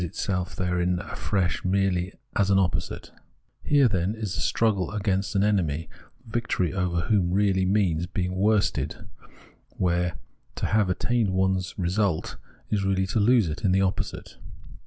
itself therein afresh merely as an opposite. Here, then, there is a struggle against an enemy, victory over whom really means being worsted, where to have attained one result is really to lose it in the opposite.